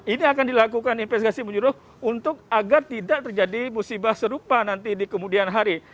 ini akan dilakukan investigasi menyeruh untuk agar tidak terjadi musibah serupa nanti di kemudian hari